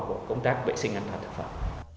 của công tác vệ sinh an toàn thực phẩm